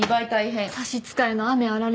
差し支えの雨あられ。